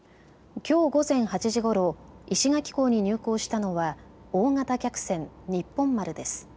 きょうの午前８時ごろ石垣港に入港したのは大型客船にっぽん丸です。